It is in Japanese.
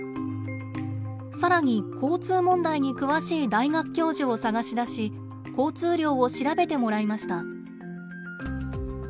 更に交通問題に詳しい大学教授を探し出し交通量を調べてもらいました。